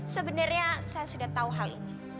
sebenarnya saya sudah tahu hal ini